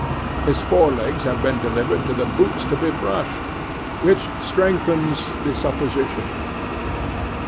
His forelegs have been delivered to the boots to be brushed, which strengthens the supposition.